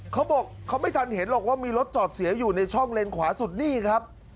เขาบอกเขาไม่ทันเห็นหรอกว่ามีรถจอดเสียอยู่ในช่องเลนขวาสุดนี่ครับ